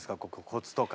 コツとか。